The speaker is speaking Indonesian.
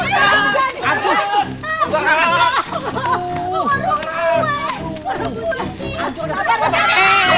jangan jangan jangan